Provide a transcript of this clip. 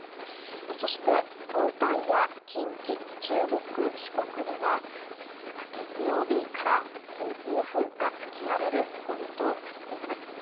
そして、東海や近畿中国・四国では月曜日から暴風雨が吹き荒れる見込みとなっています。